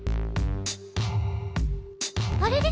あれれ？